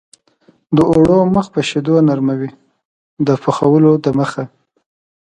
د اوړو مخ په شیدو نرموي د پخولو دمخه.